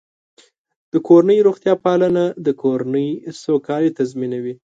د کورنۍ روغتیا پالنه د کورنۍ سوکالي تضمینوي.